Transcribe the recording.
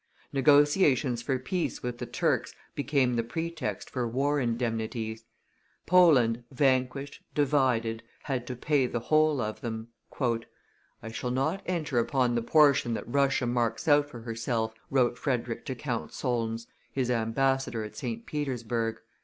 Negotiations for peace with the Turks became the pretext for war indemnities. Poland, vanquished, divided, had to pay the whole of them. "I shall not enter upon the portion that Russia marks out for herself," wrote Frederick to Count Solms, his ambassador at St. Petersburg.